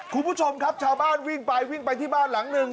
คุณผู้ชมครับชาวบ้านวิ่งไปวิ่งไปที่บ้านหลังหนึ่ง